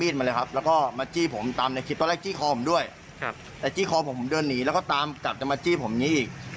แต่จี้คอร์ผมเดินหนีแล้วก็ตามกลับจะมาจี้ผมนี้อีก